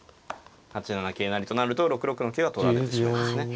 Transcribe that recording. ８七桂成と成ると６六の桂は取られてしまいますね。